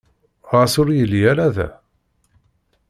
Ɣas ur yelli ara da?